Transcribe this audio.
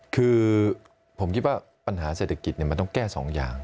คือผมคิดว่าปัญหาเศรษฐกิจมันต้องแก้สองอย่าง